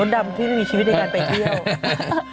รถดำคือมีชีวิตในการไปเที่ยว